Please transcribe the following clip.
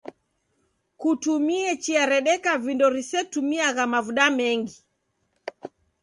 Kutumie chia redeka vindo risetumiagha mavuda mengi.